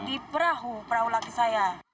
di perahu perahu laki saya